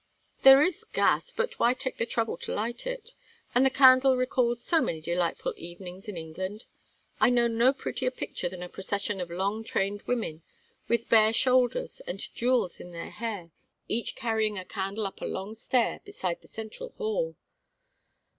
"There is gas, but why take the trouble to light it? And the candle recalls so many delightful evenings in England. I know no prettier picture than a procession of long trained women, with bare shoulders, and jewels in their hair, each carrying a candle up a long stair beside the central hall."